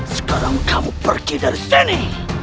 sekarang kamu pergi dari sini